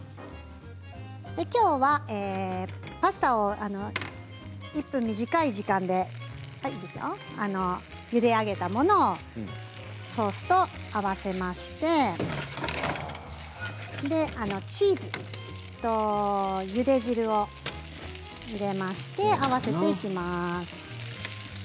きょうはパスタを１分短い時間でゆで上げたものをソースと合わせましてチーズとゆで汁を入れまして合わせていきます。